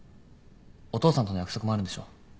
お父さんとの約束もあるんでしょ？